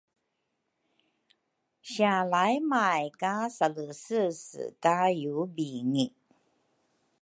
Sialaimay ka salesese ka yubingi